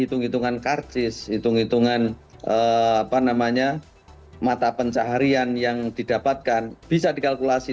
hitung hitungan karcis hitung hitungan apa namanya mata pencaharian yang didapatkan bisa dikalkulasi